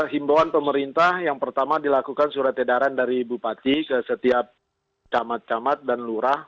himbawan pemerintah yang pertama dilakukan surat edaran dari bupati ke setiap camat camat dan lurah